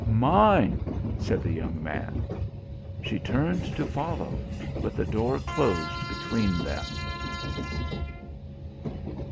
"Mine," said the young man. She turned to follow, but the door closed between them.